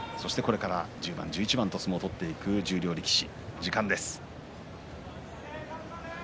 これから１０番１１番の相撲を取っていく十両力士。